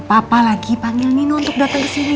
papa lagi panggil nino untuk datang kesini